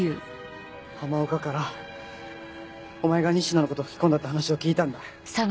浜岡からお前が西野のこと吹き込んだって話を聞いたんだ。